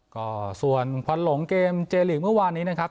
ก็ส่วนควันหลงเกมเจลีกเมื่อวานนี้นะครับ